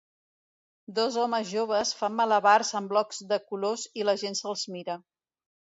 Dos homes joves fan malabars amb blocs de colors i gent se'ls mira.